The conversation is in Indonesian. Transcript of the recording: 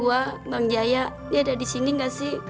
apaan mantap sih